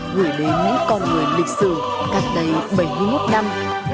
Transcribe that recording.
gửi đến những con người lịch sử gặp đầy bảy mươi một năm